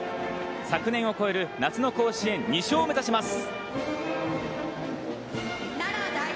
昨年を超える夏の甲子園２勝を目指します。